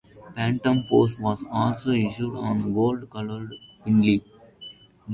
"Phantom Phorce" was also issued on gold-coloured vinyl.